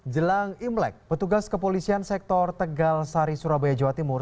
jelang imlek petugas kepolisian sektor tegal sari surabaya jawa timur